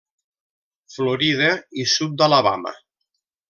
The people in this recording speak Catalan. Florida i sud d'Alabama.